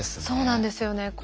そうなんですよね。